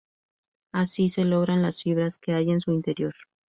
Así se logran las fibras que hay en su interior.